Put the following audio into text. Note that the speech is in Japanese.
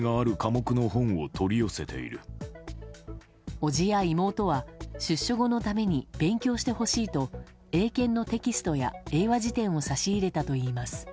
伯父や妹は出所後のために勉強してほしいと英検のテキストや英和辞典を差し入れたといいます。